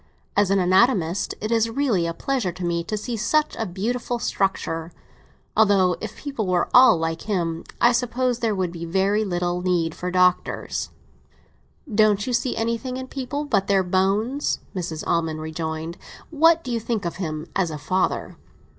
As an anatomist, it is really a pleasure to me to see such a beautiful structure; although, if people were all like him, I suppose there would be very little need for doctors." "Don't you see anything in people but their bones?" Mrs. Almond rejoined. "What do you think of him as a father?"